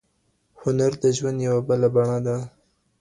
هنر د ژوند یوه بله بڼه ده.